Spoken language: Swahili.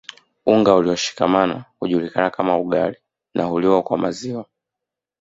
Unga ulioshikamana unajulikana kama ugali na huliwa kwa maziwa